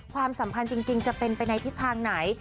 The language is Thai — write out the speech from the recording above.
ความสำคัญจริงจะเป็นในทิศทางไหน